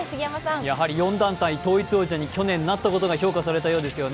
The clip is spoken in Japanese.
やはり４団体統一王者に去年なったことが評価されたようですね。